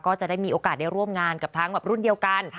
ก็จะได้มีโอกาสได้ร่วมงานกับทั้งแบบรุ่นเดียวกัน